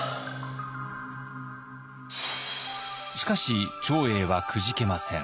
しかし長英はくじけません。